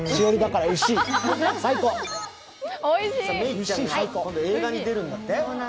芽育ちゃんが今度映画に出るんだって？